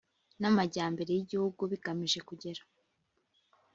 n amajyambere y Igihugu bagamije kugera